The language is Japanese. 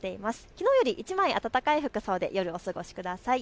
きのうより１枚暖かい服装でお過ごしください。